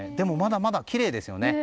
でもまだまだきれいですよね。